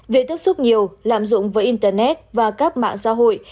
về tiếp xúc nhiều lạm dụng với internet và các mạng xã hội